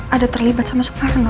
ada terlibat sama soekarno